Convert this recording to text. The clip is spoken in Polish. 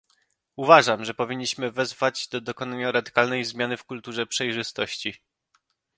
Uważam, że powinniśmy wezwać do dokonania radykalnej zmiany w kulturze przejrzystości